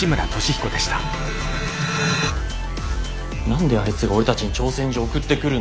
何であいつが俺たちに挑戦状送ってくるんだよ。